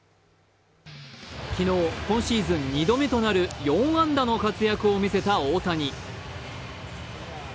昨日、今シーズン２度目となる４安打の活躍を見せた大谷。